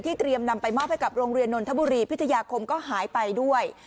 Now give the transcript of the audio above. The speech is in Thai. เตรียมนำไปมอบให้กับโรงเรียนนนทบุรีพิทยาคมก็หายไปด้วย